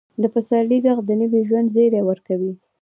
د پسرلي ږغ د نوي ژوند زیری ورکوي.